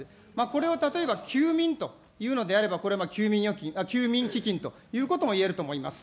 これを例えば休眠というのであれば、これは休眠基金ということもいえると思います。